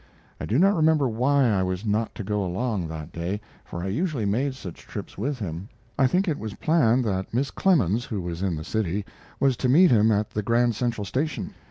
I do not remember why I was not to go along that day, for I usually made such trips with him. I think it was planned that Miss Clemens, who was in the city, was to meet him at the Grand Central Station.